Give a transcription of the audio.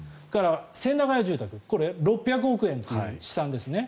それから千駄ヶ谷住宅６００億円という試算ですね。